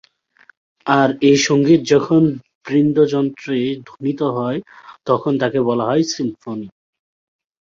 আর এ সঙ্গীত যখন বৃন্দযন্ত্রে ধ্বনিত হয় তখন তাকে বলা হয় সিম্ফনি।